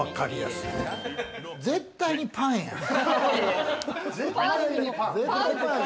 絶対にパンやん。